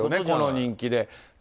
この人気で。